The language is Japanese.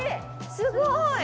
すごい！